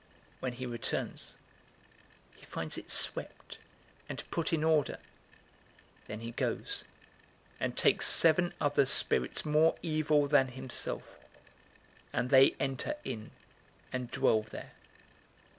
011:025 When he returns, he finds it swept and put in order. 011:026 Then he goes, and takes seven other spirits more evil than himself, and they enter in and dwell there.